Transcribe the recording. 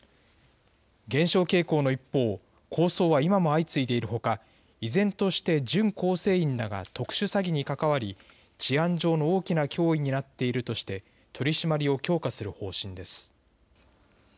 減少傾向の一方、抗争は今も相次いでいるほか、依然として準構成員らが特殊詐欺に関わり、治安上の大きな脅威になっているとして、取締りを強化する方針です。